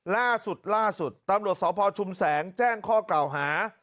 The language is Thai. ล่าสุดตำรวจสภชุมแสงแจ้งข้อเก่าหา